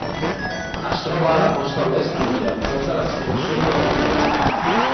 Es troba a la costa oest d'Índia, prop de l'extrem sud del continent.